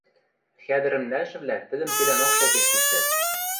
Хӓдӹрӹм нӓлшӹвлӓ тӹдӹм цилӓнок шотеш пиштӓт.